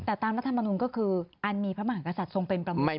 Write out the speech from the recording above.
แต่ตามรัฐมนุนก็คืออันมีพระมหากษัตริย์ทรงเป็นประมาณ